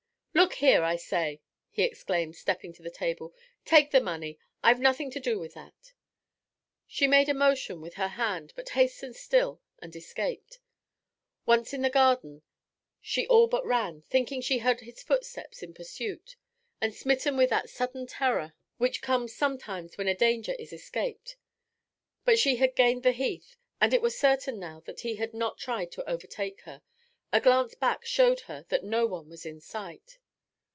'Look here, I say,' he exclaimed, stepping to the table. 'Take the money. I've nothing to do with that.' She made a motion with her hand, but hastened still and escaped. Once in the garden she all but ran, thinking she heard his footsteps in pursuit, and smitten with that sudden terror which comes sometimes when a danger is escaped. But she had gained the Heath, and it was certain now that he had not tried to overtake her, a glance back showed her that no one was in sight.